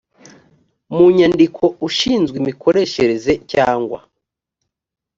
mu nyandiko ushinzwe imikoreshereze cyangwa